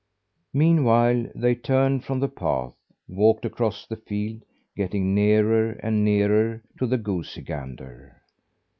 Meanwhile, they turned from the path, walked across the field, getting nearer and nearer to the goosey gander.